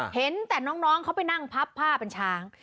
เห็นแต่น้องเขาไปนั่งพับผ้าเป็นช้าง